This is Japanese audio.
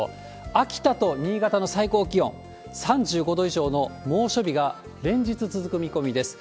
秋田と新潟の最高気温、３５度以上の猛暑日が連日続く見込みです。